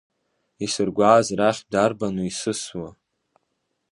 Исыргәааз рахьтә дарбану исысуа…